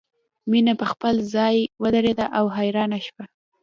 مینه په خپل ځای ودریده او حیرانه شوه